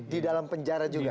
di dalam penjara juga